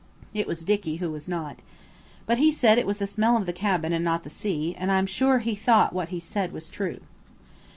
It was Dicky who was not. But he said it was the smell of the cabin, and not the sea, and I am sure he thought what he said was true.